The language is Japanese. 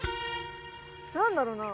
何だろうな？